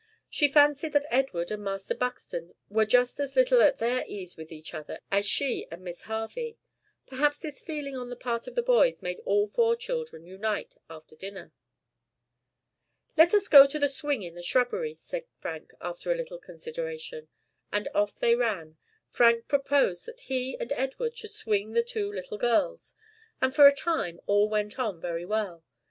She fancied that Edward and Master Buxton were just as little at their ease with each other as she and Miss Harvey. Perhaps this feeling on the part of the boys made all four children unite after dinner. "Let us go to the swing in the shrubbery," said Frank, after a little consideration; and off they ran. Frank proposed that he and Edward should swing the two little girls; and for a time all went on very well.